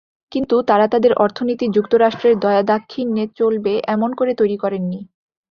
কিন্তু তাঁরা তাদের অর্থনীতি যুক্তরাষ্ট্রের দয়া দাক্ষিণ্যে চলবে এমন করে তৈরি করেননি।